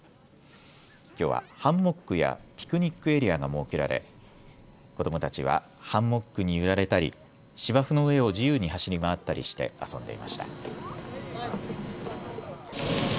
きょうはハンモックやピクニックエリアが設けられ子どもたちはハンモックに揺られたり芝生の上を自由に走り回ったりして遊んでいました。